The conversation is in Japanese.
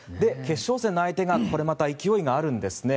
決勝戦の相手がこれまた勢いがあるんです。